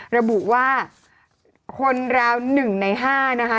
ระบุว่าคนราว๑ใน๕นะคะ